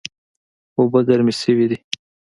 اوبه ګرمې شوې دي